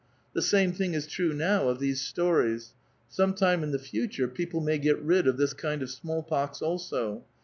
^he same thing is true now of these stories. Some time in ^^e future people may get rid of this kind of small pox also.